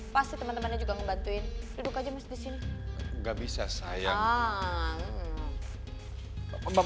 pasti teman temannya juga ngebantuin duduk aja mas di sini gak bisa sayang